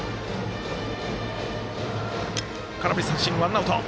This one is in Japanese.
空振り三振、ワンアウト。